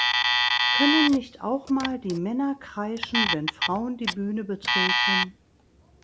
Können nicht auch mal die Männer kreischen, wenn Frauen die Bühne betreten?